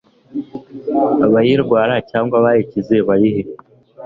abayirwara cyangwa abayikize barihe